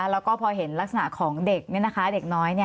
แล้วก็พอเห็นลักษณะของเด็กเด็กน้อย